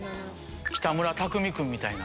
北村匠海君みたいな。